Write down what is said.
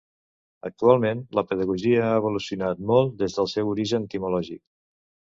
Actualment, la Pedagogia ha evolucionat molt des del seu origen etimològic.